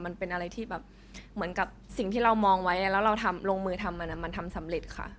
มันเป็นอะไรที่แบบเหมือนกับสิ่งที่เรามองไว้แล้วเราทำลงมือทำมันมันทำสำเร็จค่ะ